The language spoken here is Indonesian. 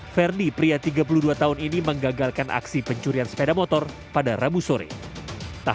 ferdi pria tiga puluh dua tahun ini menggagalkan aksi pencurian sepeda motor pada rabu sore tak